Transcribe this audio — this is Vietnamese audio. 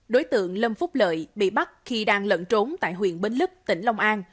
đối tượng lâm phúc lợi bị bắt khi đang lận trốn tại huyện bến lức tỉnh long an